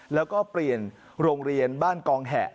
แล้วก็เปลี่ยนโรงเรียนบ้านกองแหะ